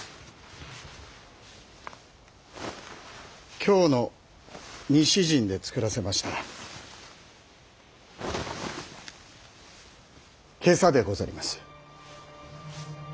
京の西陣で作らせました袈裟でござります。